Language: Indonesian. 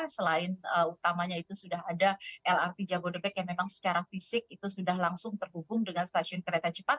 selain utamanya itu sudah ada lrt jabodebek yang memang secara fisik itu sudah langsung terhubung dengan stasiun kereta cepat